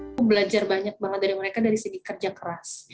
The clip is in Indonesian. aku belajar banyak banget dari mereka dari segi kerja keras